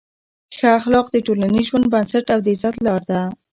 ښه اخلاق د ټولنیز ژوند بنسټ او د عزت لار ده.